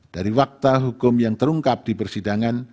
dari fakta hukum yang terungkap di persidangan